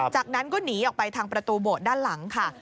จากนั้นก็หนีออกไปทางประตูโบสถ์ด้านหลังค่ะ